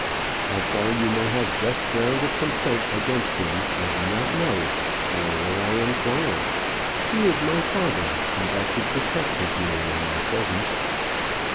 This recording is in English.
How far you may have just ground of complaint against him, I do not know, nor will I inquire. He is my father, and that should protect his name in my presence."